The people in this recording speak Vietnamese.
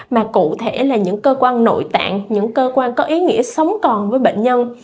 mà cụ thể là những cơ quan nội tạng những cơ quan có ý nghĩa sống còn với bệnh nhân